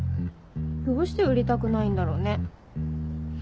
どうして売りたくないんだろうね？